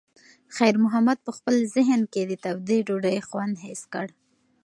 خیر محمد په خپل ذهن کې د تودې ډوډۍ خوند حس کړ.